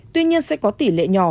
tuy nhiên sẽ có tỷ lệ nhỏ